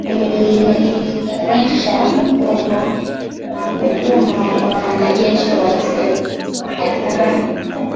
Aliidhinisha kutumwa kwa wanajeshi wasiozidi mia tano